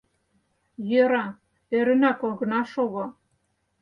Йӧра, ӧрынак огына шого.